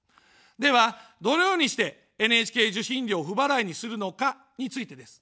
では、どのようにしてＮＨＫ受信料を不払いにするのかについてです。